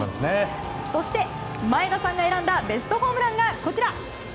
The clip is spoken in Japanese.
そして、前田さんが選んだベストホームランがこちら。